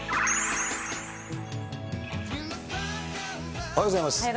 おはようございます。